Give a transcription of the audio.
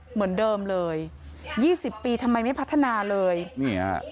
เหมือนเดิมเลย๒๐ปีทำไมไม่พัฒนาเลย